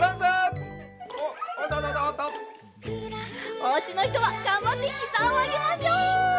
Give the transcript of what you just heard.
おうちのひとはがんばってひざをあげましょう！